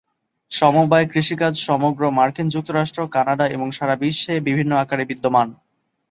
সমবায় কৃষিকাজ সমগ্র মার্কিন যুক্তরাষ্ট্র, কানাডা এবং সারা বিশ্বে বিভিন্ন আকারে বিদ্যমান।